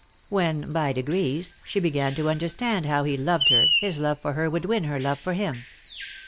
When, by degrees, she began to understand how he loved her his love for her would win her love for him.